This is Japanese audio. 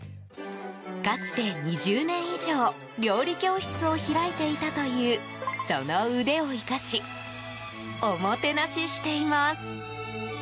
かつて、２０年以上料理教室を開いていたというその腕を生かしおもてなししています。